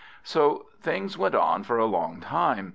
So things went on for a long time.